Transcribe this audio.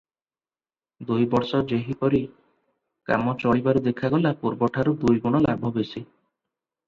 ଦୁଇବର୍ଷ ଯେହିପରି କାମ ଚଳିବାରୁ ଦେଖାଗଲା, ପୂର୍ବଠାରୁ ଦୁଇଗୁଣ ଲାଭ ବେଶୀ ।